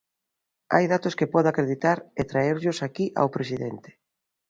Hai datos que podo acreditar e traerllos aquí ao presidente.